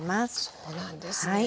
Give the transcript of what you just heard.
そうなんですね。